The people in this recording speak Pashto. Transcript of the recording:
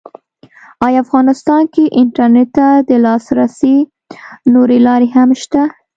ایا افغانستان کې انټرنېټ ته د لاسرسي نورې لارې هم شته؟